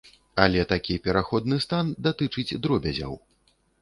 Але такі пераходны стан датычыць дробязяў.